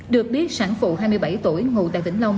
được biết sản phụ hai mươi bảy tuổi ngụ tại vĩnh long